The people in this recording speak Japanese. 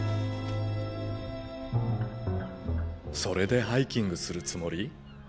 それでハイキングするつもり？